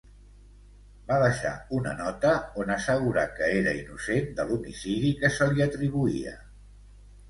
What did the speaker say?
Va deixar una nota on assegurà que era innocent de l'homicidi que se li atribuïa.